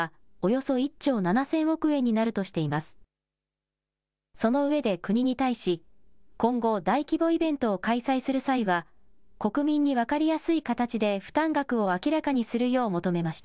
その上で国に対し、今後、大規模イベントを開催する際は、国民に分かりやすい形で負担額を明らかにするよう求めました。